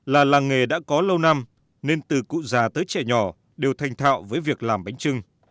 là làng nghề đã có lâu năm nên từ cụ già tới trẻ nhỏ đều thành thạo với việc làm bánh trưng